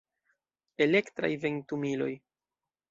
Elektraj ventumiloj.